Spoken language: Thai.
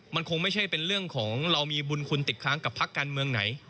มันคงไม่ใช่เป็นเรื่องของเรามีบุญคุณติดค้างกับพักการเมืองไหน